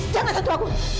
jangan tentu aku